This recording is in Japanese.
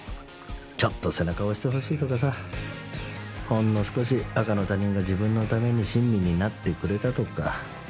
ちょっと背中を押してほしいとかさほんの少し赤の他人が自分のために親身になってくれたとか。